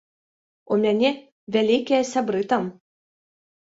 У мяне вялікія сябры там.